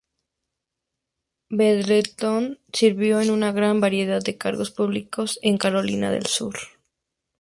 Middleton sirvió en una gran variedad de cargos públicos en Carolina del Sur.